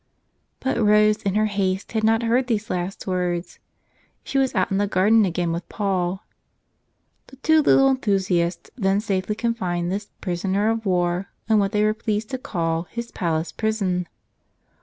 But Rose, in her haste, had not heard these last words. She was out in the garden again with Paul. The two little enthusiasts then safely confined this "prisoner of war" in what they were pleased to call his palace prison.